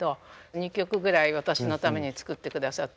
２曲ぐらい私のために作ってくださって。